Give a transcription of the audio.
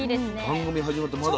番組始まってまだ。